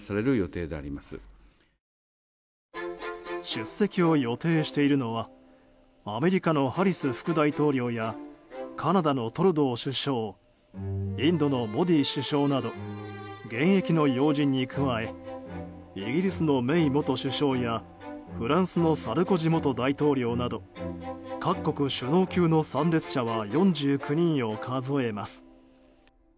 出席を予定しているのはアメリカのハリス副大統領やカナダのトルドー首相インドのモディ首相など現役の要人に加えイギリスのメイ元首相やフランスのサルコジ元大統領など各国首脳級の参列者は４９人を数えます。